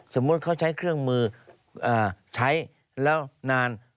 สมมุติเขาใช้เครื่องมือใช้แล้วนาน